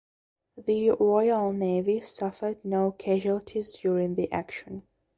The Royal Navy suffered no casualties during the action.